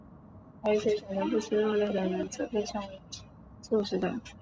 而一些选择不吃肉类的人则被称为素食者。